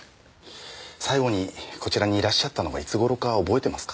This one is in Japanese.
最後にこちらにいらっしゃったのがいつ頃か覚えてますか？